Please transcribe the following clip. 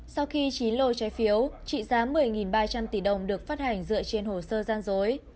sau khi chín lô trái phiếu trị giá một mươi ba trăm linh tỷ đồng được phát hành dựa trên hồ sơ gian dối